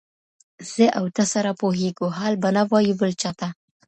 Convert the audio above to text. زه او ته سره پوهیږو حال به نه وایو بل چا ته